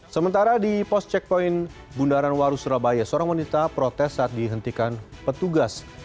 sementara di pos checkpoint bundaran waru surabaya seorang wanita protes saat dihentikan petugas